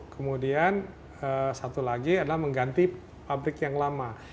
kemudian satu lagi adalah mengganti pabrik yang lama